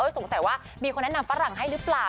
สงสัยว่ามีคนแนะนำฝรั่งให้หรือเปล่า